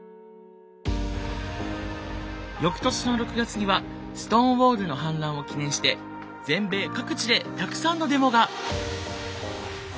翌年の６月にはストーンウォールの反乱を記念して全米各地でたくさんのデモが！